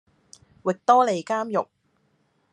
域多利監獄